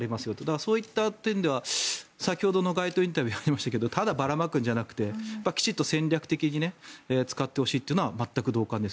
そういった点では先ほどの街頭インタビューにありましたがただばらまくんじゃなくてきちんと戦略的に使ってほしいというのは全く同感です。